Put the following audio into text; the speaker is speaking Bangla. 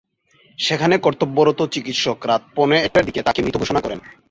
সেখানে কর্তব্যরত চিকিৎসক রাত পৌনে একটার দিকে তাঁকে মৃত ঘোষণা করেন।